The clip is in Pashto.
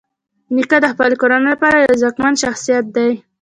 نیکه د خپلې کورنۍ لپاره یو ځواکمن شخصیت دی.